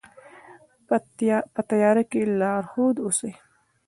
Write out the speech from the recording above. په تیاره کې لارښود اوسئ.